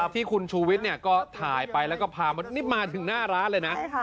ที่คุณชูวิทย์ก็ถ่ายไปแล้วก็พามานี่มาถึงหน้าร้านเลยนะ